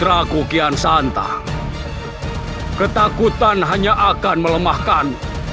raden jel santak dan istana pak jajaran